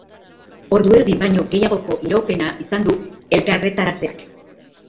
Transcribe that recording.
Ordu erdi baino gehiagoko iraupena izan du elkarretaratzeak.